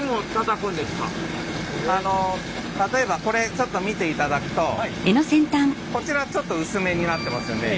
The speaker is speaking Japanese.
例えばこれちょっと見ていただくとこちらちょっと薄めになってますよね。